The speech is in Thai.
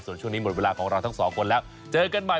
ส่วนช่วงนี้หมดเวลาของเราทั้งสองคนแล้วเจอกันใหม่